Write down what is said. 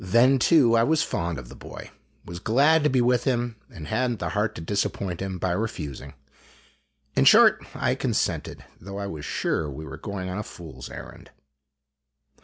Then, too, I was fond of the boy, was glad to be with him, and had n't the heart to disappoint him by refusing. In short, I con sented, though I was sure we were going on a fool's errand.